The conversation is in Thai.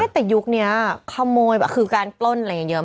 แต่ยุคนี้ขโมยแบบคือการปล้นเยอะมาก